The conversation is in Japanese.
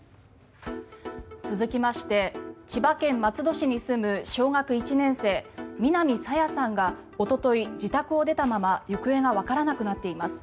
続きまして千葉県松戸市に住む小学１年生南朝芽さんがおととい自宅を出たまま行方がわからなくなっています。